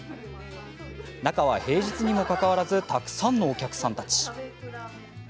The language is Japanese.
中は、平日にもかかわらずたくさんのお客さんたち。